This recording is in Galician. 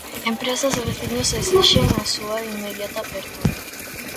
Empresas e veciños esixen a súa inmediata apertura.